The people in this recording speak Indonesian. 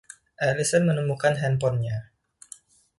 Allison menemukan handphone-nya.